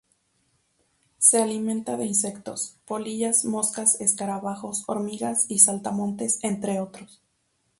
Se alimenta de insectosː polillas, moscas, escarabajos, hormigas y saltamontes, entre otros.